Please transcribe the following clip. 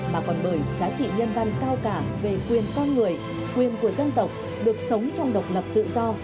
mà còn bởi giá trị nhân văn cao cả về quyền con người quyền của dân tộc được sống trong độc lập tự do